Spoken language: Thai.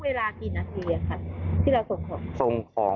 ที่เราส่งของ